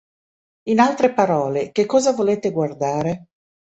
In altre parole, che cosa volete guardare?".